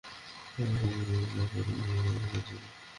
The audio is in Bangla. আর সব ভুলে যাও, তারাতাড়ি তৈরি হয়ে আমার সাথে চলো।